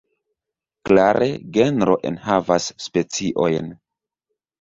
Klare, genro enhavas speciojn.